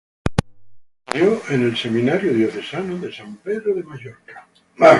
Estudió en el Seminario Diocesano de San Pedro de Mallorca.